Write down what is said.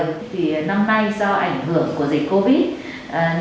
thì năm nay do ảnh hưởng của dịch covid